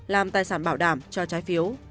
làm tài sản bảo đảm cho trái phiếu